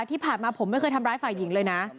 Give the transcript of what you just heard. ที่ผ่านมาผมไม่เคยทำร้ายฝ่ายหญิงเลยนะ